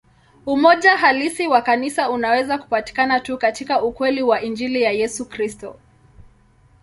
Umoja halisi wa Kanisa unaweza kupatikana tu katika ukweli wa Injili ya Yesu Kristo.